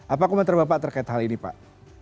apa komentar bapak terkait hal ini pak